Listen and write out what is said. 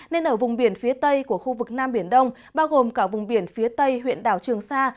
nên ở vùng biển phía tây của khu vực nam biển đông bao gồm cả vùng biển phía tây huyện đảo trường sa